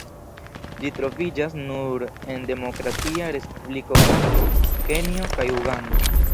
Ĝi troviĝas nur en Demokratia Respubliko Kongo, Kenjo kaj Ugando.